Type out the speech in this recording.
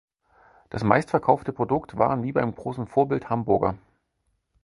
Das meistverkaufte Produkt waren wie beim großen Vorbild Hamburger.